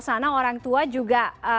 sana orang tua juga